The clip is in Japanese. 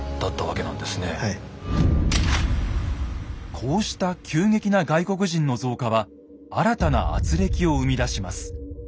こうした急激な外国人の増加は新たな軋轢を生み出します。